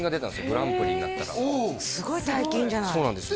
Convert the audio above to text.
グランプリになったらすごい大金じゃないそうなんですよ